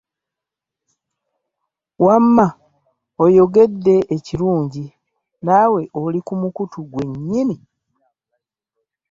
Wamma oyogedde, ekirungi naawe oli ku mukutu gwe gwennyini